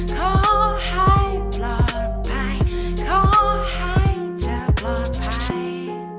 ขอให้ปลอดภัยขอให้เธอปลอดภัย